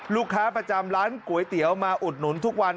ลูกค้าประจำร้านก๋วยเตี๋ยวมาอุดหนุนทุกวัน